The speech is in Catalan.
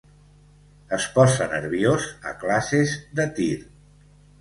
Es posa nerviós a classes de tir.